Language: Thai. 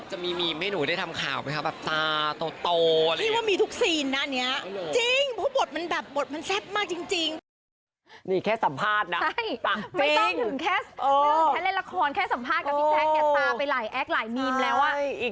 จะมีมีมให้หนูได้ทำข่าวไหมคะแบบตาโตอะไรอย่างนี้